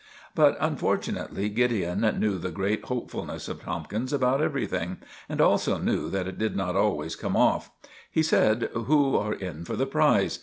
But unfortunately Gideon knew the great hopefulness of Tomkins about everything, and also knew that it did not always come off. He said, "Who are in for the prize?"